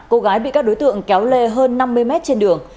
cô gái bị các đối tượng kéo lê hơn năm mươi mét trên đường